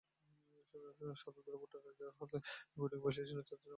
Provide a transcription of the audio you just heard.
স্বতন্ত্র ভোটাররা, যাঁরা হাত গুটিয়ে বসে ছিলেন, তাঁদের অনেকে ট্রাম্পের দিকে ঝুঁকছেন।